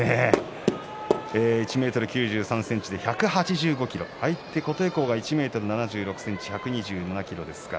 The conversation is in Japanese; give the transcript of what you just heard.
１ｍ９３ｃｍで１８５ｋｇ相手は１ｍ６７ｃｍ１２７ｋｇです。